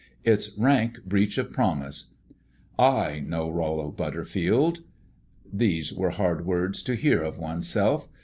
It's rank breach of promise. I know Rollo Butterfield." These were hard words to hear of one's self.